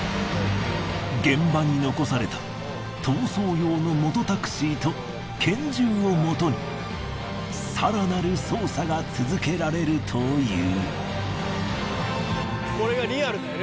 現場に残された逃走用のモトタクシーと拳銃をもとに更なる捜査が続けられるという。